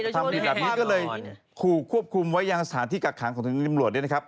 ทำผิดแบบนี้ก็เลยขู่ควบคุมไว้ยังสถานที่กักขังของทางตำรวจด้วยนะครับ